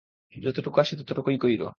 যতটুকু আসে ততটুকুই কইরো।